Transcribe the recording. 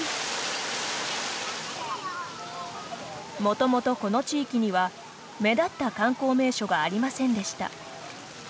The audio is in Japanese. もともとこの地域には目立った観光名所がありませんでした。